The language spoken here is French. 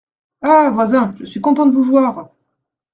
Ah ! voisin, je suis content de vous voir !